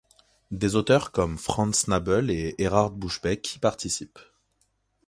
Des auteurs comme Franz Nabl et Erhard Buschbeck y participent.